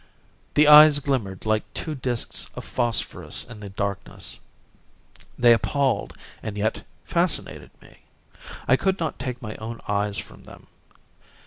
The eyes glimmered like two disks of phosphorus in the darkness. They appalled and yet fascinated me. I could not take my own eyes from them.